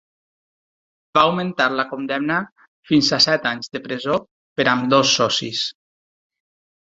Va augmentar la condemna fins a set anys de presó per a ambdós socis.